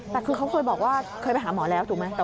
แต่คือเขาเคยบอกว่าเคยไปหาหมอแล้วถูกไหม